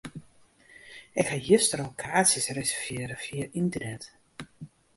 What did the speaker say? Ik ha juster al kaartsjes reservearre fia ynternet.